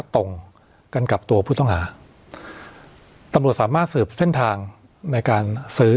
ตรงกันกับตัวผู้ต้องหาตำรวจสามารถสืบเส้นทางในการซื้อ